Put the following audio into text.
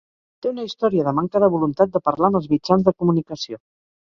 Té una història de manca de voluntat de parlar amb els mitjans de comunicació.